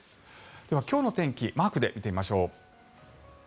では、今日の天気マークで見てみましょう。